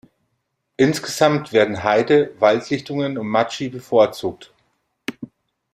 Insgesamt werden Heide, Waldlichtungen und Macchie bevorzugt.